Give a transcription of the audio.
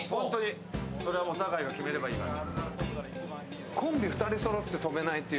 それはもう酒井が決めればいいから。